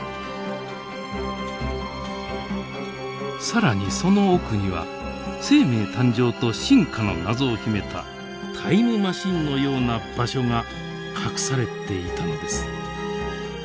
更にその奥には生命誕生と進化の謎を秘めたタイムマシンのような場所が隠されていたのです。